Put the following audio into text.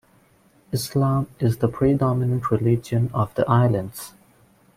Islam is the predominant religion of the islands.